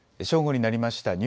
正午になりました。